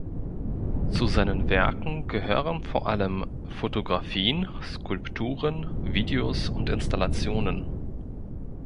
Zu seinen Werken gehören vor allem Fotografien, Skulpturen, Videos und Installationen.